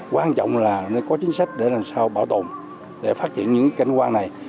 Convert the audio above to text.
quan trọng là nên có chính sách để làm sao bảo tồn để phát triển những cảnh quan này